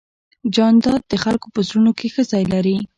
جانداد د خلکو په زړونو کې ښه ځای لري.